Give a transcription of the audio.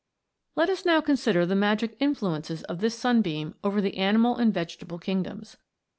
Let us now consider the magic influences of this sunbeam over the animal and vegetable kingdoms.